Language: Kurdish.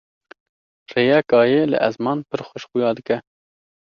rêya kayê li ezman pir xweş xuya dike